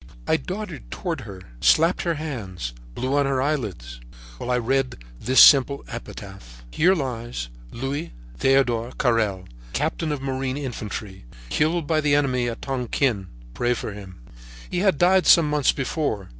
"I darted toward her, slapped her hands, blew on her eyelids, while I read this simple epitaph: 'Here lies Louis Theodore Carrel, Captain of Marine Infantry, killed by the enemy at Tonquin. Pray for him.' "He had died some months before.